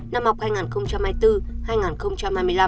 năm học hai nghìn hai mươi bốn hai nghìn hai mươi năm